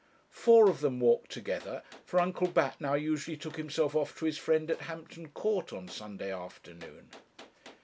Four of them walked together; for Uncle Bat now usually took himself off to his friend at Hampton Court on Sunday afternoon.